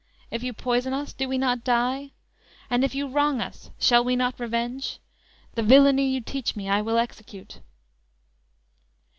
if you poison us Do we not die? and if you wrong us shall we not revenge? The villainy you teach me, I will execute!"